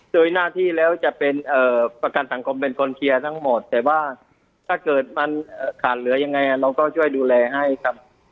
โดยหน้าที่แล้วจะเป็นประกันสังคมเป็นคนเคลียร์ทั้งหมดแต่ว่าถ้าเกิดมันขาดเหลือยังไงเราก็ช่วยดูแลให้ครับ